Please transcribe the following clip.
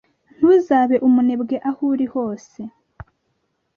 Ntuzabe umunebwe aho uri hose